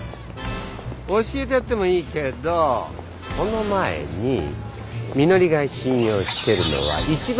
教えてやってもいいけどその前にみのりが信用してるのは。